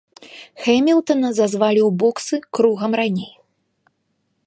Хэмілтана зазвалі ў боксы кругам раней.